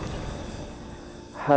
mengikuti kami untuk berburu